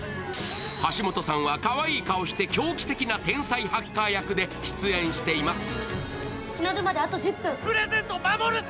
橋本さんはかわいい顔して狂気的な天才ハッカー役で出演しています。